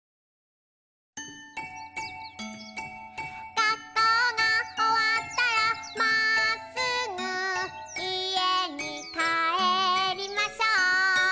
「学校がおわったらまっすぐ家に帰りましょう」